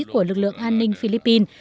của lực lượng an ninh philippines